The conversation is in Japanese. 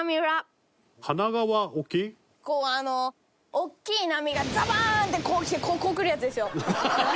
大きい波がざばぁん！ってこう来てこう来るやつですよ。